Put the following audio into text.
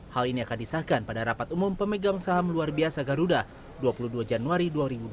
hal ini akan disahkan pada rapat umum pemegang saham luar biasa garuda dua puluh dua januari dua ribu dua puluh